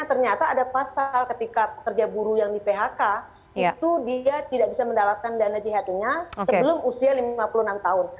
ternyata ada pasal ketika pekerja buruh yang di phk itu dia tidak bisa mendapatkan dana jht nya sebelum usia lima puluh enam tahun